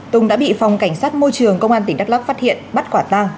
tùng đã bị phòng cảnh sát môi trường công an tỉnh đắk lắk phát hiện bắt quả tăng